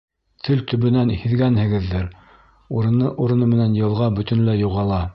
Тел төбөнән һиҙгәнһегеҙҙер: урыны-урыны менән йылға бөтөнләй юғала.